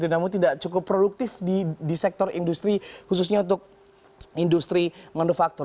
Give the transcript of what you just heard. namun tidak cukup produktif di sektor industri khususnya untuk industri manufaktur